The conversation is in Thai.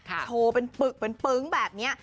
โชว์เป็นปึกเป็นปึ๊งแบบนี้